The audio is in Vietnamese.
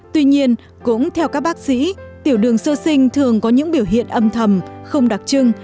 tuy nhiên cũng theo các bác sĩ tiểu đường sơ sinh thường có những biểu hiện âm thầm không đặc trưng